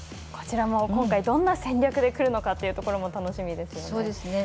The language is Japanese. こちらも今回どんな戦略でくるのかというところも楽しみですよね。